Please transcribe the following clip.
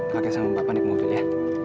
pakai sama bapak naik mobil ya